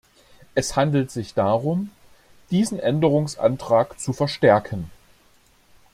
Es handelt sich darum, diesen Änderungsantrag zu verstärken.